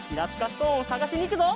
ストーンをさがしにいくぞ。